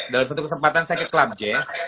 dalam suatu kesempatan saya ke club jazz